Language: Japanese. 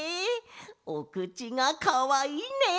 おくちがかわいいね！